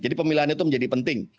jadi pemilihan itu menjadi penting